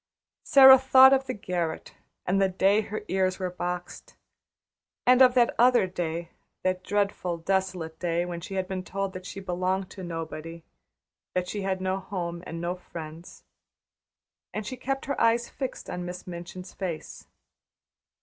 Sara thought of the garret and the day her ears were boxed, and of that other day, that dreadful, desolate day when she had been told that she belonged to nobody; that she had no home and no friends, and she kept her eyes fixed on Miss Minchin's face.